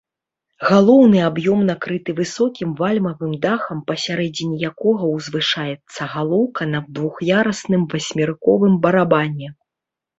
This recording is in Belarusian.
Галоўны аб'ём накрыты высокім вальмавым дахам, пасярэдзіне якога ўзвышаецца галоўка на двух'ярусным васьмерыковым барабане.